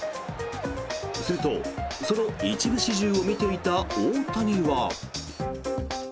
すると、その一部始終を見ていた大谷は。